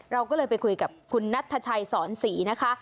เราก็เลยไปคุยกับคุณนัทชัยสอนศรีนะคะ